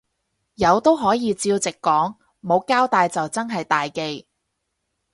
有都可以照直講，冇交帶就真係大忌